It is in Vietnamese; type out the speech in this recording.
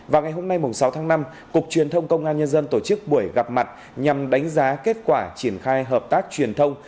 vào ngày hôm nay sáu tháng năm cục truyền thông công an nhân dân tổ chức buổi gặp mặt nhằm đánh giá kết quả triển khai hợp tác truyền thông